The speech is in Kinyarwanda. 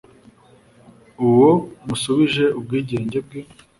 uwo musubije ubwigenge bwe